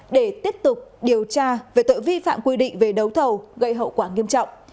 để tiếp tục điều tra về tội vi phạm quy định về đấu thầu gây hậu quả nghiêm trọng